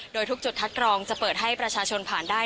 โดยทุกจุดคัดกรองจะเปิดให้ประชาชนผ่านได้